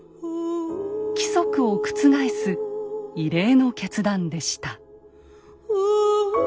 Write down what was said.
規則を覆す異例の決断でした。